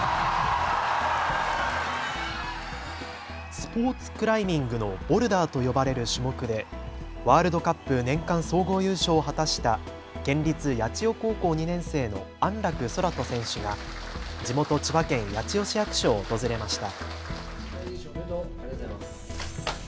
スポーツクライミングのボルダーと呼ばれる種目でワールドカップ年間総合優勝を果たした県立八千代高校２年生の安楽宙斗選手が地元、千葉県八千代市役所を訪れました。